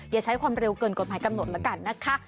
อย่าใช้ความเร็วเกินกฎหมายกำหนดแล้วกันนะคะ